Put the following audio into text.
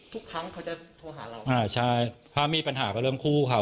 ทุกครั้งเขาจะโทรหาเราอ่าใช่ถ้ามีปัญหาก็เริ่มคู่เขา